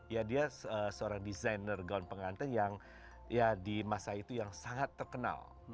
ya dia seorang desainer gaun pengantin yang ya di masa itu yang sangat terkenal